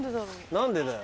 何でだよ。